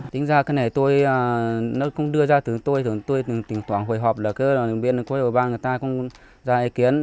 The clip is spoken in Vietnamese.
tính ra cái này tôi nó không đưa ra từ tôi tôi tỉnh toảng hồi họp là cơ hội bàn người ta không ra ý kiến